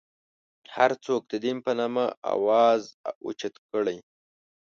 هر څوک د دین په نامه اواز اوچت کړي.